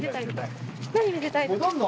何見せたいの？